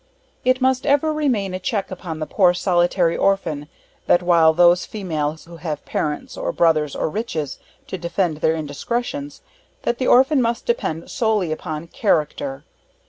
It must ever remain a check upon the poor solitary orphan, that while those females who have parents, or brothers, or riches, to defend their indiscretions, that the orphan must depend solely upon character.